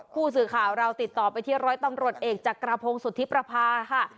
ผู้สื่อข่าวเราติดต่อไปที่ร้อยตำรวจเอกจักรพงศุธิประพาค่ะ